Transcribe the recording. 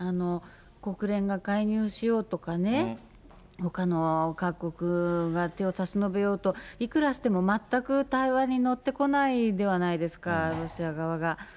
国連が介入しようとかね、ほかの各国が手を差しのべようと、いくらしても、全く対話に乗ってこないではないですか、ロシア側が。